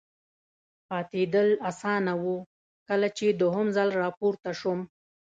پاتېدل اسانه و، کله چې دوهم ځل را پورته شوم.